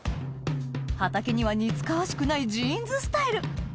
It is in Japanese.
畑には似つかわしくないジーンズスタイル